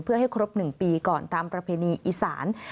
เพื่อให้ครบ๑ปีก่อนตามประเพณีอีสาน